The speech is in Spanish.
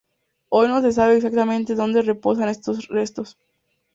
Hoy no se sabe exactamente dónde reposan estos restos.